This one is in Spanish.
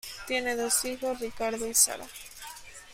Tiene dos hijos, Ricardo y Sara.